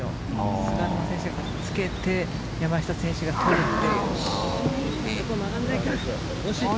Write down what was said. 菅沼選手がつけて山下選手が取って。